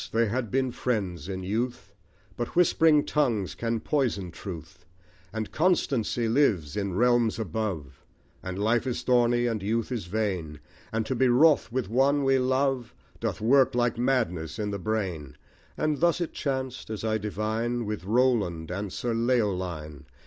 they had been friends in youth; But whispering tongues can poison truth; And constancy lives in realms above; And life is thorny; and youth is vain; And to be wroth with one we love, Doth work like madness in the brain. And thus it chanced, as I divine, With Roland and Sir Leoline.